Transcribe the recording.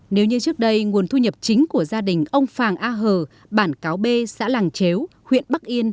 nếu như trước đây nguồn thu nhập chính của gia đình ông phàng a hờ bản cáo b xã làng chếu huyện bắc yên